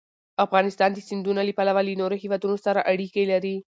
افغانستان د سیندونه له پلوه له نورو هېوادونو سره اړیکې لري.